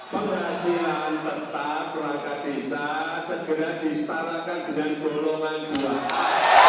penghasilan petak perangkat desa segera disetarakan dengan perolohan dua